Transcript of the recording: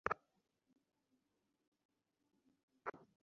সেই সঙ্গে মনে করি, গল্পটাও ঠিকঠাক বলার চর্চা আমাদের বেশি থাকা দরকার।